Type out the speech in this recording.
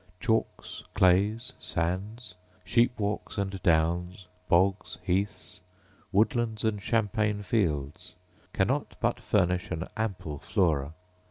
Chalks, clays, sands, sheep walks and downs, bogs, heaths, woodlands, and champaign fields, cannot but furnish an ample flora.